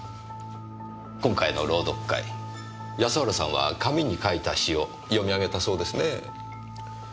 今回の朗読会安原さんは紙に書いた詩を詠み上げたそうですねぇ。